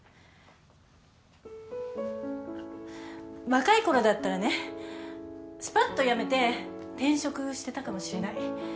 若いころだったらねすぱっと辞めて転職してたかもしれない。